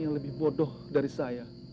yang lebih bodoh dari saya